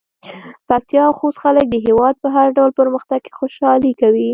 پکتيا او خوست خلک د هېواد په هر ډول پرمختګ کې خوشحالي کوي.